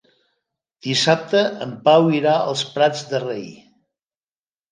Dissabte en Pau irà als Prats de Rei.